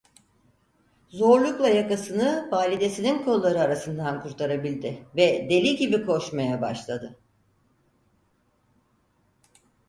Zorlukla yakasını, validesinin kolları arasından kurtarabildi ve deli gibi koşmaya başladı.